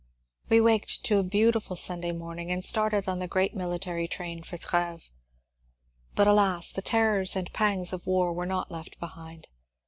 We waked to a beautiful Sunday mornings and started on the great militaiy train for Treves. But alas, the terrors and pangs of war were not left behind.